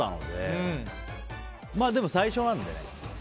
でも、最初なんで。